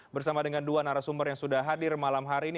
bersama dengan dua narasumber yang sudah hadir malam hari ini